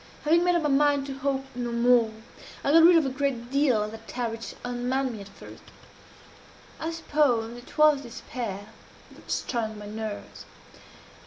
Having made up my mind to hope no more, I got rid of a great deal of that terror which unmanned me at first. I suppose it was despair that strung my nerves.